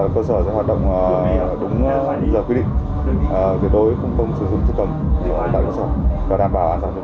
cơ sở sẽ hoạt động đúng lý do quy định